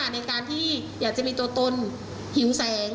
ในการที่อยากจะมีตัวตนหิวแสง